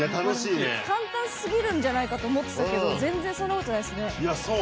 簡単すぎるんじゃないかと思ってたけど全然そんなことないですね。